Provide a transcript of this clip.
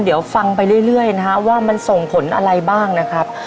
เดี๋ยวฟังไปเรื่อยนะฮะว่ามันส่งผลอะไรบ้างนะครับ